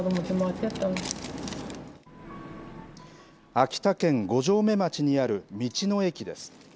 秋田県五城目町にある道の駅です。